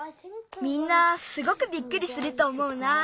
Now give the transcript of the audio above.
みんなすごくびっくりするとおもうな。